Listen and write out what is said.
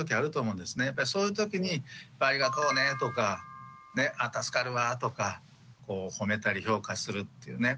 そういうときに「ありがとうね」とか「あ助かるわ」とかほめたり評価するっていうね